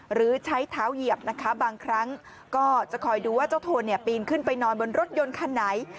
หรือใช้เท้าเหยียบนะคะบางครั้งก็จะคอยดูว่าเจ้าโทนปีนขึ้นไปนอนบนรถยนต์คันไหน